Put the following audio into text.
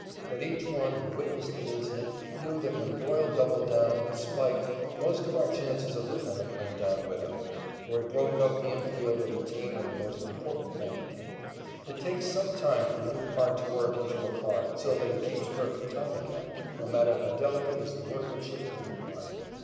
But each one who witnessed the incident knew that when Doyle doubled down, spiked, most of our chances of the pennant went down with him, for it broke up the infield of the team at a most important moment. It takes some time for a new part to work into a clock so that it keeps perfect time again, no matter how delicate is the workmanship of the new part.